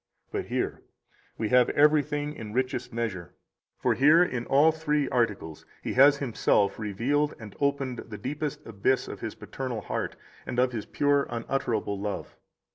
64 But here we have everything in richest measure; for here in all three articles He has Himself revealed and opened the deepest abyss of his paternal heart and of His pure unutterable love.